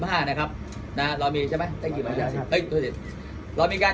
เรามีการจับคุณไม้จับในห่วงกว่าร้านนะครับ